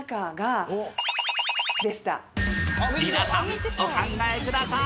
みなさんお考えください！